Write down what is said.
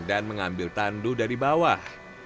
dan mengambil tandu dari bawah